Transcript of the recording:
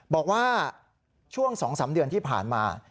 บอกว่าช่วง๒๓เดือนที่ผ่านมา